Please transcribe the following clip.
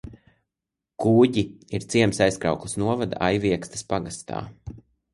Ķūģi ir ciems Aizkraukles novada Aiviekstes pagastā.